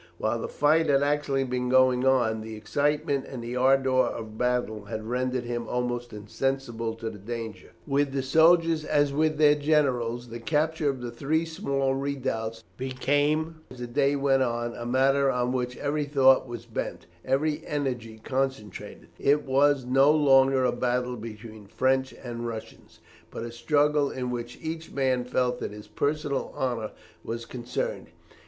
While the fight had actually been going on, the excitement and the ardour of battle had rendered him almost insensible to the danger. With the soldiers as with their generals the capture of the three small redoubts became, as the day went on, a matter on which every thought was bent, every energy concentrated; it was no longer a battle between French and Russians, but a struggle in which each man felt that his personal honour was concerned.